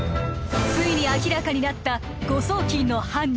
ついに明らかになった誤送金の犯人